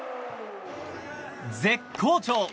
絶好調！